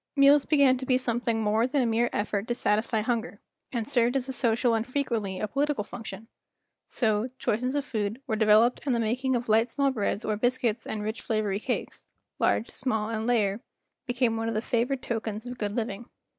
Meals began to be something more than a mere effort to satisfy hunger, and served as a social and frequently a political function; so, choice qualities of food were de¬ veloped and the making of light small breads or biscuits and rich flavory cakes—large, small, and layer—became one of the favored tokens of good living.